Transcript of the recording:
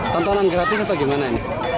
tontonan kreatif atau gimana ini